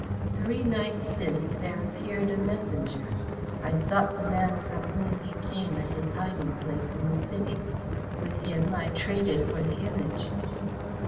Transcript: Three nights since there appeared a messenger. I sought the man from whom he came at his hiding place in the city. With him I traded for the Image."